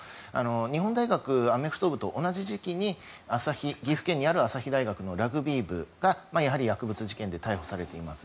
日本大学アメフト部と同じ時期に岐阜県にある朝日大学ラグビー部がやはり薬物事件で逮捕されています。